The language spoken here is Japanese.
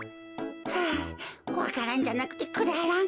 はあわか蘭じゃなくてくだらん。